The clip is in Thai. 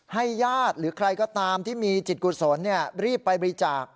ญาติหรือใครก็ตามที่มีจิตกุศลรีบไปบริจาค